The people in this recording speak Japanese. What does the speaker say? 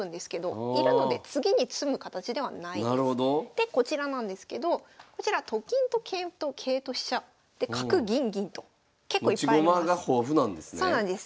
でこちらなんですけどこちらと金と桂と桂と飛車で角銀銀と結構いっぱいあります。